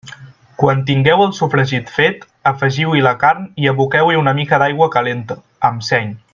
Quan tingueu el sofregit fet, afegiu-hi la carn i aboqueu-hi una mica d'aigua calenta, amb seny.